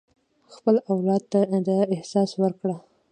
خپل اولاد ته دا احساس ورکړه.